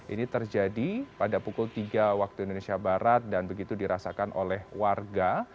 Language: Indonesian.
ini terjadi pada pukul tiga wib dan begitu dirasakan oleh warga